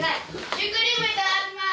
シュークリームいただきます！